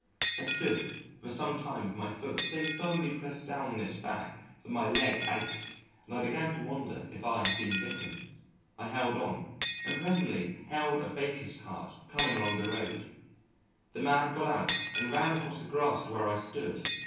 I stood for some time with my foot so firmly pressed down on its back that my leg ached and I began to wonder if I had been bitten. I held on and presently hailed a baker's cart coming along the road. The man got out and ran across the grass to where I stood.